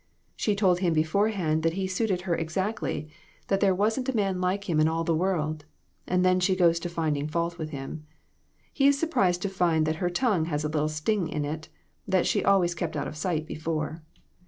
She told him beforehand that he suited her exactly that there wasn't a man like him in all the world and then she goes to finding fault with him. He is surprised to find that her tongue has a little sting in it that she always kept out of sight before.